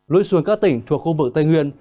lưu xuân các tỉnh thuộc khu vực tây nguyên